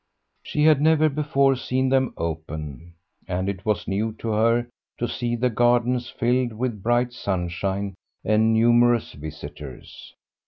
She had never before seen them open, and it was new to her to see the gardens filled with bright sunshine and numerous visitors.